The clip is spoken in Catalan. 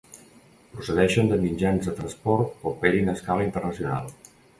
Procedeixen de mitjans de transport que operin a escala internacional.